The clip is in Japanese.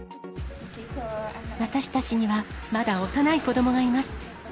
私たちにはまだ幼い子どもがいます。